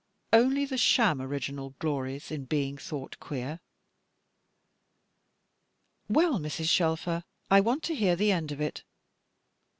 Only the sham original glories in being thought queer. "Well, Mrs. Shelfer, I want to hear the end of it."